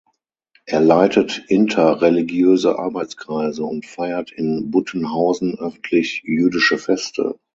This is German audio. Er leitet interreligiöse Arbeitskreise und feiert in Buttenhausen öffentlich jüdische Feste.